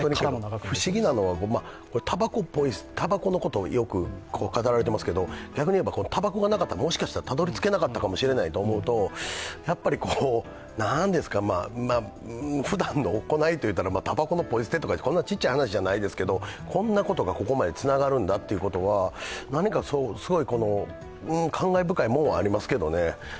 不思議なのは、たばこのことをよく語られていますけれども、逆に言えば、たばこがなかったらもしかしたらたどり着けなかったかもしれないと思うとふだんの行いといったら、たばこのポイ捨てとか、こんなちっちゃい話じゃないですけれども、こんなことがここまでつながるんだと考えたら何かすごい、感慨深いものはありますけどね。